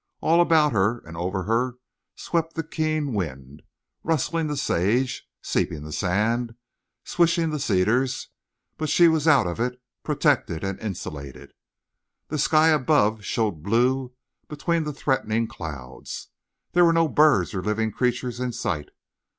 All about her and over her swept the keen wind, rustling the sage, seeping the sand, swishing the cedars, but she was out of it, protected and insulated. The sky above showed blue between the threatening clouds. There were no birds or living creatures in sight.